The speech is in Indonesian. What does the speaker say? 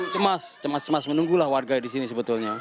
cemas cemas cemas menunggulah warga di sini sebetulnya